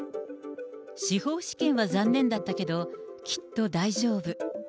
司法試験は残念だったけど、きっと大丈夫。